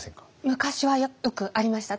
昔はよくありました。